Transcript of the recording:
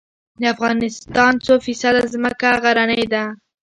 د افغانستان څو فیصده ځمکه غرنۍ ده؟